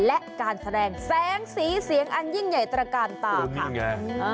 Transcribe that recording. และการแสดงแสงสีเสียงอันยิ่งใหญ่ตระกาลตาค่ะ